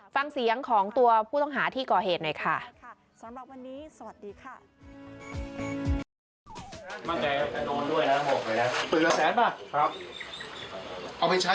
ฟังเสียงของตัวผู้ต้องหาที่กอเหตุหน่อยค่ะสำหรับวันนี้สวัสดีค่ะ